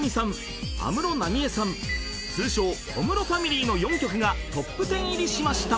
通称小室ファミリーの４曲がトップ１０入りしました］